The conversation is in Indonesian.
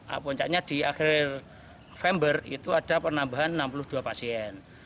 a puncaknya di akhir november itu ada penambahan enam puluh dua pasien